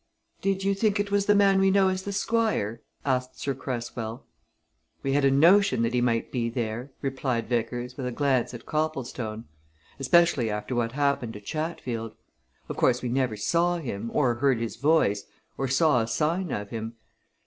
"Did you think it was the man we know as the Squire?" asked Sir Cresswell. "We had a notion that he might be there," replied Vickers, with a glance at Copplestone. "Especially after what happened to Chatfield. Of course, we never saw him, or heard his voice, or saw a sign of him.